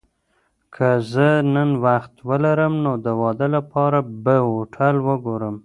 که زه نن وخت ولرم، د واده لپاره به هوټل وګورم.